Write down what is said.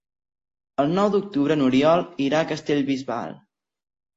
El nou d'octubre n'Oriol irà a Castellbisbal.